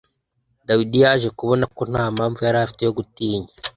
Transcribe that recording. Dawidi yaje kubona ko nta mpamvu yari afite yo gutinya